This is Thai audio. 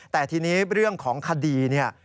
แต่ทีนี้เรื่องของคดีเนี่ย